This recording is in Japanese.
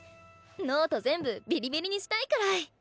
ノート全部ビリビリにしたいくらい。